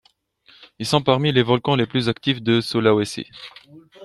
Ils sont parmi les volcans les plus actifs de Sulawesi.